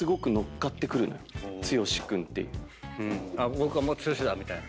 僕はもう剛だ！みたいな？